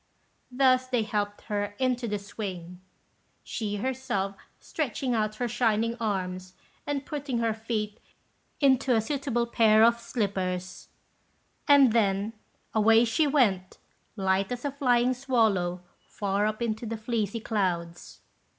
Thus they helped her into the swing, she herself stretching out her shining arms, and putting her feet into a suitable pair of slippers; and then away she went, light as a flying swallow, far up into the fleecy clouds.